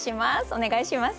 お願いします。